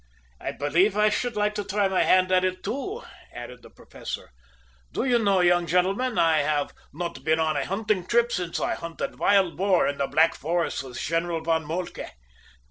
"I believe I should like to try my hand at it, too," added the Professor. "Do you know, young gentlemen, I have not been on a hunting trip since I hunted wild boar in the Black Forest with General von Moltke!